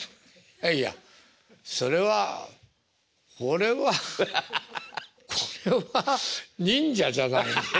いやいやそれはこれはこれは忍者じゃないですか。